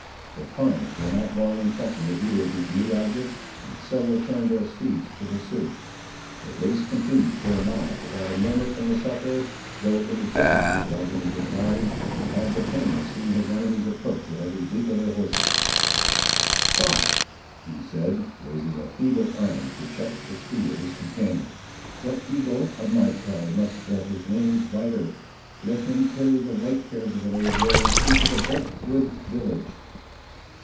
The Pawnees were not long in catching a view of these new objects, and several turned their steeds to pursue. The race continued for a mile without a murmur from the sufferer, though in addition to the agony of his body, he had the pain of seeing his enemies approach at every leap of their horses. "Stop," he said, raising a feeble arm to check the speed of his companion; "the Eagle of my tribe must spread his wings wider. Let him carry the white hairs of an old warrior into the burnt wood village!"